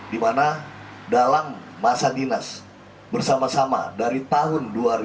dimana dalam masa dinas bersama sama dari tahun dua ribu delapan belas